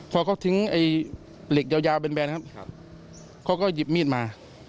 พอเขาทิ้งไอ้เหล็กยาวแบนครับเขาก็หยิบมีดมา